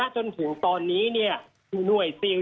จนถึงตอนนี้หน่วยซิล